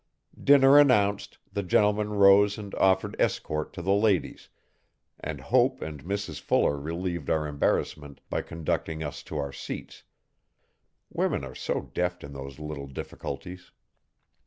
Dinner announced, the gentlemen rose and offered escort to the ladies, and Hope and Mrs Fuller relieved our embarrassment by conducting us to our seats women are so deft in those little difficulties.